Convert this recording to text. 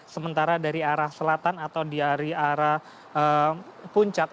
sementara dari arah selatan atau dari arah puncak